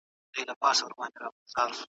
ایا ستا ماشوم ته د انځورګرۍ سره مینه شته؟